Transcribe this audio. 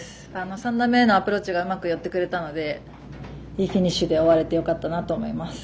３打目のアプローチがうまくよってくれたのでいいフィニッシュで終われてよかったなと思います。